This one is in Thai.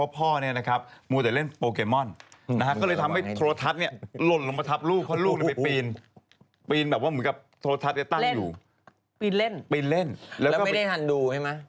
ปีนเล่นแล้วไม่ได้หันดูใช่ไหม